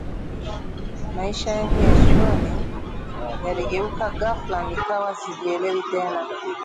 Maisha yangu ya chuoni yaligeuka ghafla nikawa sijielewi tena